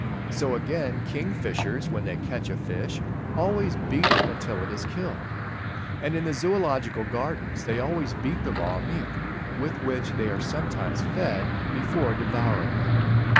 So again Kingfishers, when they catch a fish, always beat it until it is killed; and in the Zoological Gardens they always beat the raw meat, with which they are sometimes fed, before devouring it.